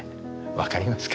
分かりますか？